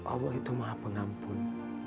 allah itu maha pengampun